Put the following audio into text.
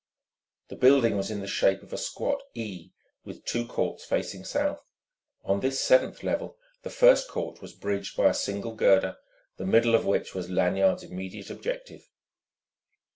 The building was in the shape of a squat E, with two courts facing south. On this seventh level the first court was bridged by a single girder, the middle of which was Lanyard's immediate objective.